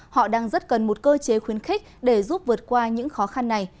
họ đang rất cần một cơ chế khuyến khích để giúp vượt qua những khó khăn này